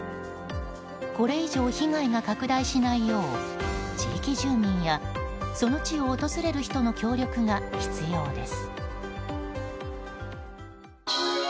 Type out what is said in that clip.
これ以上被害が拡大しないよう地域住民や、その地を訪れる人の協力が必要です。